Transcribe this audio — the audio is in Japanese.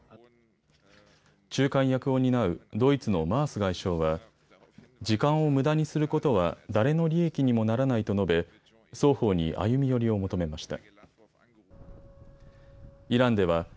仲介役を担うドイツのマース外相は時間をむだにすることは誰の利益にもならないと述べ双方に歩み寄りを求めました。